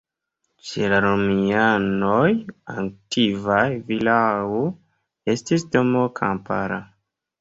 Ĉe la romianoj antikvaj vilao estis domo kampara.